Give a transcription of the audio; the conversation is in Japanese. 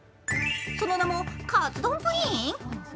その名もカツ丼プリン。